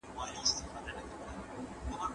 مهرباني د زړونو د یووالي لاره ده.